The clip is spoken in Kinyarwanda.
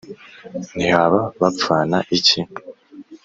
Ntihaba bapfana iki.